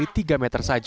ini satu kamar empat